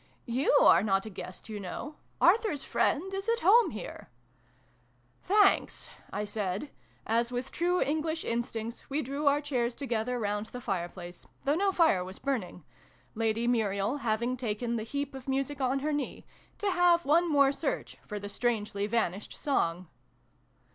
" You are not a guest, you know ! Arthur's friend is at home here !"" Thanks !" I said, as, with true English instincts, we drew our chairs together round the fire place, though no fire was burning Lady Muriel having taken the heap of music on her knee, to have one more search for the strangely vanished song.